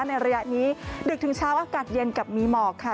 ในระยะนี้ดึกถึงเช้าอากาศเย็นกับมีหมอกค่ะ